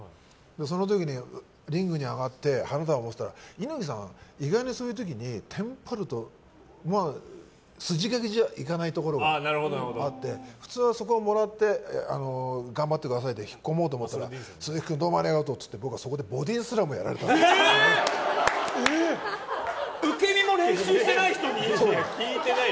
その時にリングに上がって花束を持ってたら猪木さんって意外とそういう時にテンパると筋書じゃいかないところがあって普通は、そこはもらって頑張ってくださいって引っ込もうと思ったら鈴木君、どうもありがとうって受け身の練習してない人に？